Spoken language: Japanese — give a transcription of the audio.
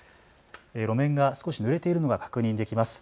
路面が少しぬれているのが確認できます。